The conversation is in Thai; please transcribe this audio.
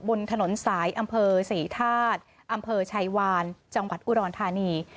บนถนนสายอำเภอศรีธาตุอำเภอชัยวานจังหวัดอุดรธานี